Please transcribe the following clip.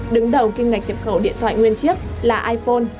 đứng đầu kim ngạch nhập khẩu điện thoại nguyên chiếc là iphone